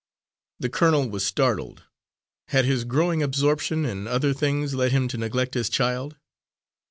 The colonel was startled. Had his growing absorption in other things led him to neglect his child?